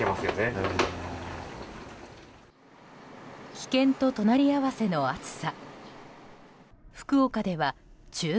危険と隣り合わせの暑さ。